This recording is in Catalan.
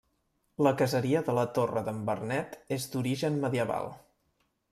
La caseria de la Torre d'en Vernet és d'origen medieval.